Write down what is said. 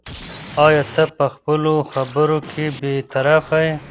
ایا ته په خپلو خبرو کې بې طرفه یې؟